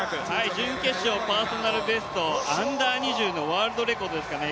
準決勝、パーソナルベスト、Ｕ２０のワールドレコードですからね